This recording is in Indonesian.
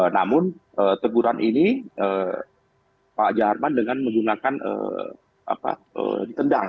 namun teguran ini pak jaharman dengan menggunakan ditendang